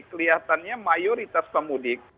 kelihatannya mayoritas pemudik